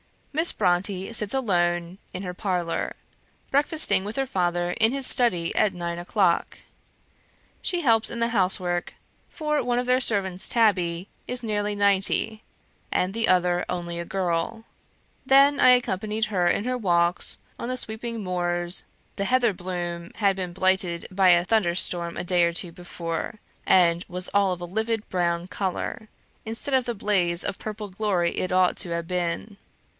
Miss Brontë sits alone in her parlour; breakfasting with her father in his study at nine o'clock. She helps in the housework; for one of their servants, Tabby, is nearly ninety, and the other only a girl. Then I accompanied her in her walks on the sweeping moors the heather bloom had been blighted by a thunder storm a day or two before, and was all of a livid brown colour, instead of the blaze of purple glory it ought to have been.